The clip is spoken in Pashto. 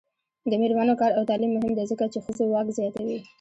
د میرمنو کار او تعلیم مهم دی ځکه چې ښځو واک زیاتوي.